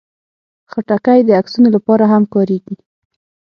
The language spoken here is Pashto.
خټکی د عکسونو لپاره هم کارېږي.